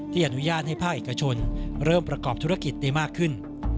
อนุญาตให้ภาคเอกชนเริ่มประกอบธุรกิจได้มากขึ้น